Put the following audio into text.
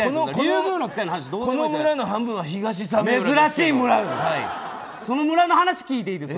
この村の半分は東鮫浦です。